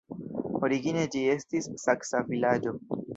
Origine ĝi estis saksa vilaĝo.